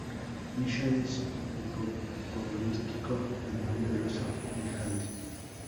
Misha es un hipocorístico del nombre ruso Mijaíl.